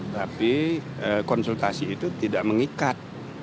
tapi konsultasi itu tidak mengikat